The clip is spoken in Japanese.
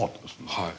はい。